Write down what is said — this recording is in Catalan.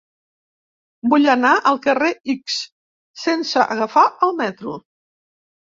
Vull anar al carrer X sense agafar el metro.